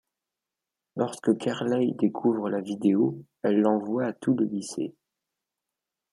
Lorsque Carleigh découvre la vidéo, elle l'envoie à tout le lycée.